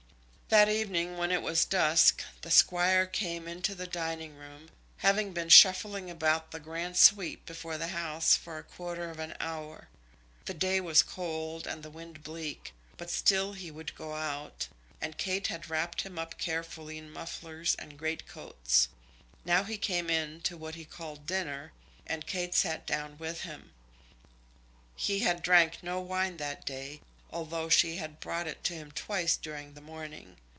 That evening when it was dusk the Squire came into the dining room, having been shuffling about the grand sweep before the house for a quarter of an hour. The day was cold and the wind bleak, but still he would go out, and Kate had wrapped him up carefully in mufflers and great coats. Now he came in to what he called dinner, and Kate sat down with him. He had drank no wine that day, although she had brought it to him twice during the morning.